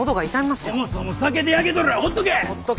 そもそも酒で焼けとるわほっとけ。